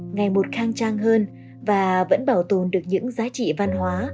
ngày một khang trang hơn và vẫn bảo tồn được những giá trị văn hóa